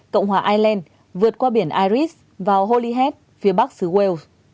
cộng hòa ireland vượt qua biển iris vào holyhead phía bắc xứ wales